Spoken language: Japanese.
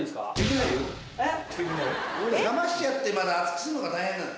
冷ましちゃってまた熱くするのが大変なの。